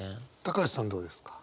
橋さんどうですか？